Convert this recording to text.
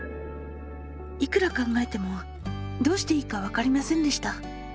いくら考えてもどうしていいかわかりませんでした。